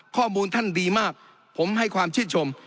ข้อมูลท่านดีมากผมให้ความชื่นชม